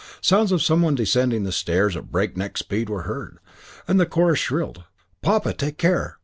Sounds of some one descending the stairs at break neck speed were heard, and the chorus shrilled, "Papa, take care!